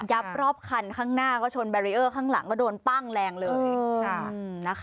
รอบคันข้างหน้าก็ชนแบรีเออร์ข้างหลังก็โดนปั้งแรงเลยนะคะ